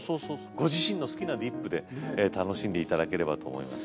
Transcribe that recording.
ご自身の好きなディップで楽しんで頂ければと思います。